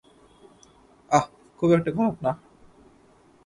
আহ, খুব একটা খারাপ না।